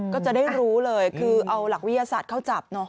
ก็จะได้รู้เลยเอาหลักวิกัสสตร์เข้าจับเนาะ